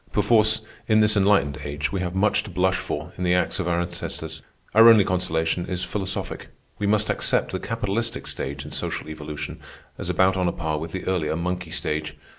Perforce, in this enlightened age, we have much to blush for in the acts of our ancestors. Our only consolation is philosophic. We must accept the capitalistic stage in social evolution as about on a par with the earlier monkey stage.